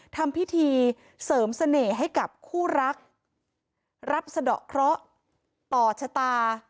ทำพิธีเสริมเสน่ห์ให้กับคู่รักรับสะดอกเคราะห์ต่อชะตา